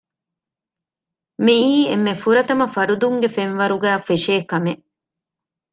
މިއީ އެންމެ ފުރަތަމަ ފަރުދުންގެ ފެންވަރުގައި ފެށޭ ކަމެއް